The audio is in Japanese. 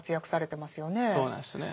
そうなんですね。